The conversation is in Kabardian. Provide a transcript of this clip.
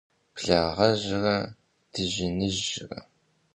Благъэжьрэ дыжьыныжьрэ.